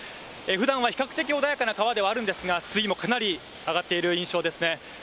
ふだんは比較的穏やかな川ではあるんですが、水位もかなり上がっている印象ですね。